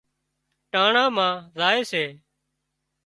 ٽانڻا مان زائي سي